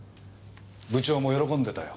部長も喜んでたよ。